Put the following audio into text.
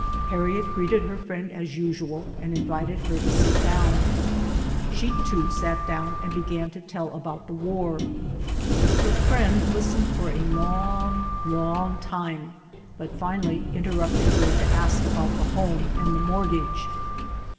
Harriet greeted her friend as usual and invited her to sit down; she too sat down and began to tell about the war. Her friend listened for a long, long time but finally interrupted her to ask about 100] UNSUNG HEROES the home and the mortgage.